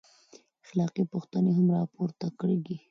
اخلاقي پوښتنې هم راپورته کېږي.